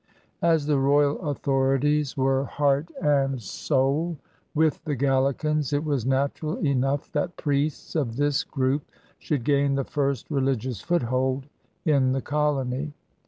As the royal authorities were heart and J THE CHUECH IN NEW FRANCE 115 soul with the Gallicans, it was natural enough that priests of this group should gain the first religious foothold in the colony.